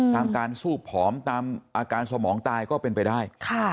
ตามการซูบผอมตามอาการสมองตายก็เป็นไปได้